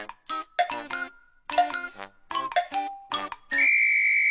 ピッ！